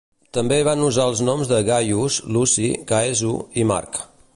També van usar els noms de "Gaius, Luci, Caeso" i "Marc".